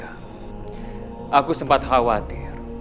aku sempat khawatir